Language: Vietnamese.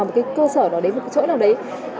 một cái cơ sở đó đến một cái chỗ nào đấy